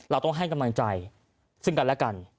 เราต้องให้กำลังใจซึ่งกันและกัน